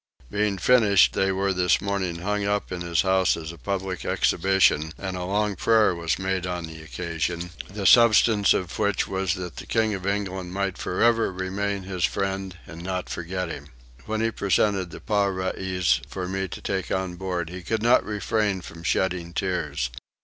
Being finished they were this morning hung up in his house as a public exhibition, and a long prayer made on the occasion, the substance of which was that the King of England might forever remain his friend and not forget him. When he presented the parais for me to take on board he could not refrain from shedding tears.